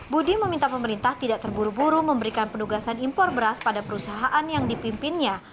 budi meminta pemerintah tidak terburu buru memberikan penugasan impor beras pada perusahaan yang dipimpinnya